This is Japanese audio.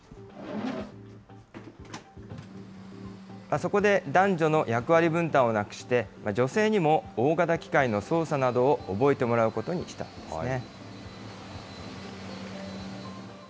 そこで、男女の役割分担をなくして、女性にも大型機械の操作などを覚えてもらうことにしたんですね。